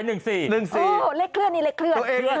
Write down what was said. ตัวเองก็ซื้อ๑๕ใช่ไหมเนี่ย